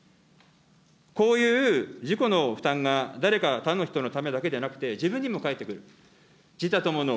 こういう自己の負担が誰か、他の人のためだけではなくて、自分にも返ってくる、自他ともの